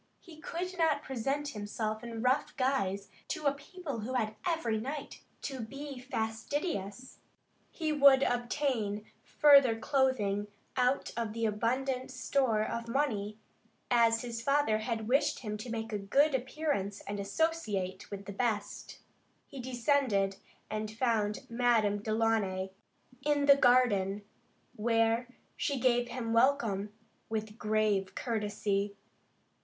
He could not present himself in rough guise to a people who had every right to be fastidious. He would also obtain further clothing out of the abundant store of money, as his father had wished him to make a good appearance and associate with the best. He descended, and found Madame Delaunay in the garden, where she gave him welcome, with grave courtesy.